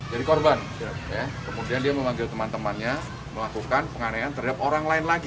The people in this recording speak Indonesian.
korban kemudian dia memanggil teman temannya melakukan penganehan terhadap orang lain lagi